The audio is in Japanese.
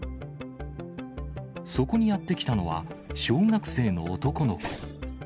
そこにやって来たのは、小学生の男の子。